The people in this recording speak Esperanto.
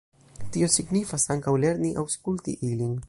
Tio signifas ankaŭ lerni aŭskulti ilin.